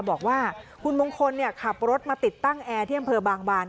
บอกว่าคุณมงคลขับรถมาติดตั้งแอร์ที่อำเภอบางบาน